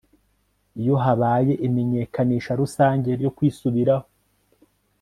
iyo habaye imenyekanisha rusange ryo kwisubiraho